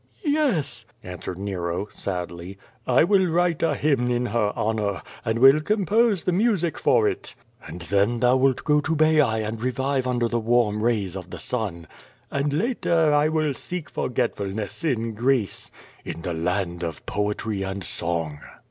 "Yes," answered Nero, sadly, "I will write a hymn in her honor, and will compose the music for it." "And then thou wilt go to Baiae and revive under the warm rays of the sun." "And later I will seek f orgetf ulness in Greece." "In the land of poetry and song."